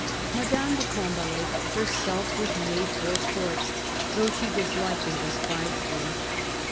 Madame de Combalet herself was made for Courts, though she disliked and despised them.